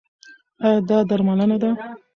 ایا دا درملنه ده؟